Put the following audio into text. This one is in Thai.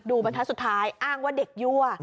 ดูเป็นทั้งสุดท้ายอ้างว่าเด็กยั่ว